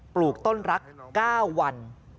ปลูกต้นรัก๙วัน